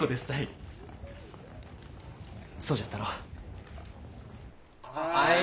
そうじゃったの。